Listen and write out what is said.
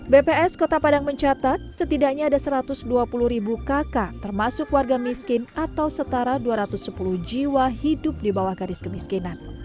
bps kota padang mencatat setidaknya ada satu ratus dua puluh ribu kakak termasuk warga miskin atau setara dua ratus sepuluh jiwa hidup di bawah garis kemiskinan